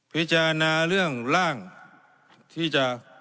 พิจารณาเรื่องร่างที่จะ